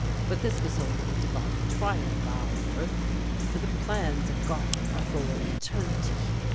But this was only a divine trial of our worth, for the plans of God are for eternity.